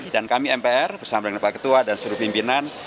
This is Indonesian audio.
dan kami mpr bersama dengan pak ketua dan seluruh pimpinan